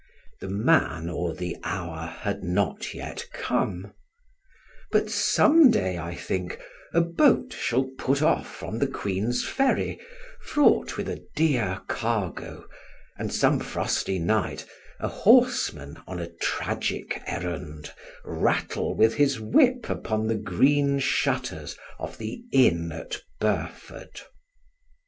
The man or the hour had not yet come; but some day, I think, a boat shall put off from the Queen's Ferry, fraught with a dear cargo, and some frosty night a horseman, on a tragic errand, rattle with his whip upon the green shutters of the inn at Burford.